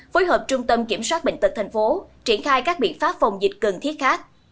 phối hợp trung tâm kiểm soát bệnh tật tp triển khai các biện pháp phòng dịch cần thiết khác